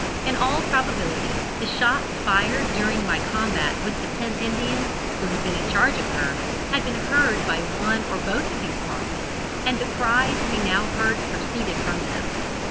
In all probability the shots fired during my combat with the ten Indians, who had been in charge of her, had been heard by one or both of these parties, and the cries we now heard proceeded from them.